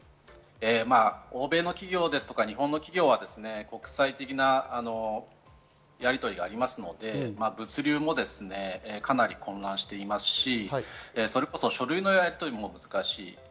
欧米の企業ですとか日本の企業は国際的なやりとりがありますので、物流もかなり混乱していますし、書類のやりとりも難しい。